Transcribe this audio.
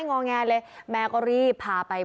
งอแงเลยแม่ก็รีบพาไป